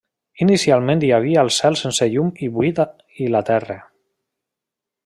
Inicialment hi havia el cel sense llum i buit i la terra.